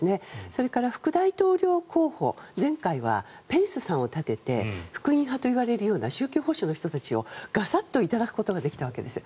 それから副大統領候補前回はペンスさんを立てて福音派といわれるような宗教の人たちをガサッと頂くことができたわけです。